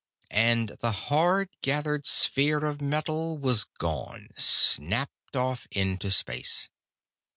And the hard gathered sphere of metal was gone snapped off into space.